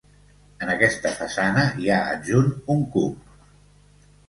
En aquesta façana hi ha adjunt un cup.